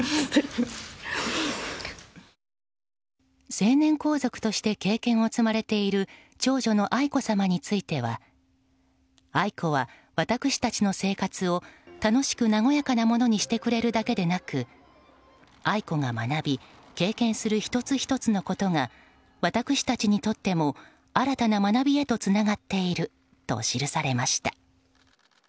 成年皇族として経験を積まれている長女の愛子さまについては愛子は私たちの生活を楽しく和やかなものにしてくれるだけでなく愛子が学び経験する１つ１つのことが私たちにとっても新たな学びへとつながっていると記されました。